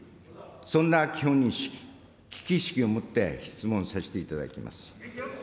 そんな基本認識、危機意識を持って、質問をさせていただきます。